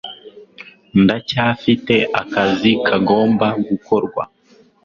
Ndacyafite akazi kagomba gukorwa.